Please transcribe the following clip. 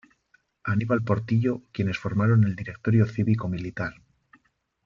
Aníbal Portillo, quienes formaron el Directorio Cívico-Militar.